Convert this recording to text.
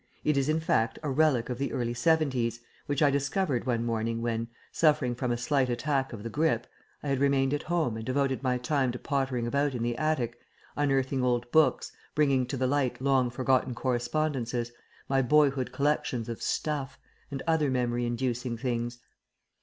It is, in fact, a relic of the early seventies, which I discovered one morning when, suffering from a slight attack of the grip, I had remained at home and devoted my time to pottering about in the attic, unearthing old books, bringing to the light long forgotten correspondences, my boyhood collections of "stuff," and other memory inducing things.